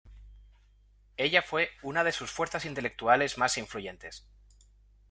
Ella fue una de sus fuerzas intelectuales más influyentes".